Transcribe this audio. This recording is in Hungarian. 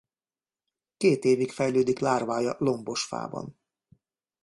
Két évig fejlődik lárvája lombos fában.